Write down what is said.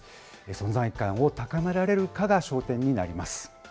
存在感を高められるかが焦点になります。